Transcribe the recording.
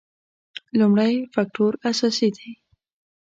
لومړی فکټور اساسي دی.